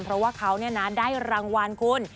เพราะว่าเขาได้รางวัลคุณ